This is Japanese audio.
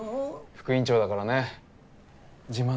副院長だからね自慢の嫁だろ。